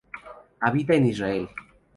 Habita en Israel.